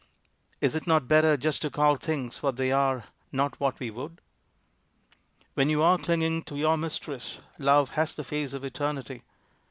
Is it not better just to call things What they are not what we would? When you are clinging to your mistress, Love has the face of Eternity.